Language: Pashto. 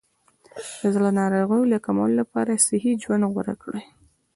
د زړه ناروغیو د کمولو لپاره صحي ژوند غوره کړئ.